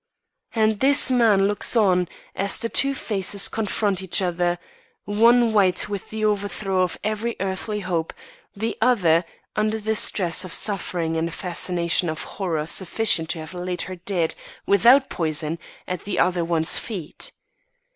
"And this man looks on, as the two faces confront each other one white with the overthrow of every earthly hope, the other under the stress of suffering and a fascination of horror sufficient to have laid her dead, without poison, at the other one's feet.